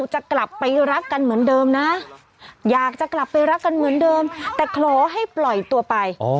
จะกลับไปรักกันเหมือนเดิมแต่ขอให้ปล่อยตัวไป